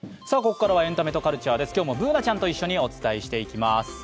ここからは「エンタメとカルチャー」です今日もＢｏｏｎａちゃんと一緒にお伝えしていきます。